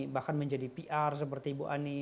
bahkan menjadi pr seperti ibu ani